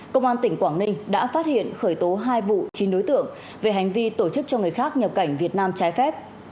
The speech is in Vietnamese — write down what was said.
công an tỉnh quảng ninh đã phát hiện khởi tố hai vụ chín đối tượng về hành vi tổ chức cho người khác nhập cảnh việt nam trái phép